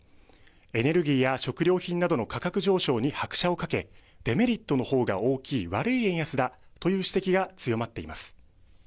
エネルギーや食料品などの価格上昇に拍車をかけデメリットのほうが大きい悪い円安だという指摘が強まっています。